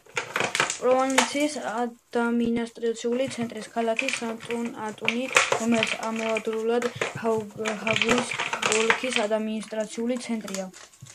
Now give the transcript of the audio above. პროვინციის ადმინისტრაციული ცენტრია ქალაქი სანტუ-ანტონიუ, რომელიც ამავდროულად პაგუის ოლქის ადმინისტრაციული ცენტრიცაა.